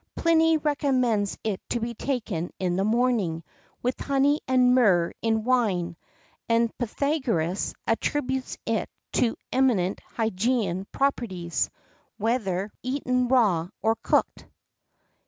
Pliny recommends it to be taken in the morning, with honey and myrrh in wine:[X 19] and Pythagoras attributes to it eminent Hygeian properties, whether eaten raw or cooked.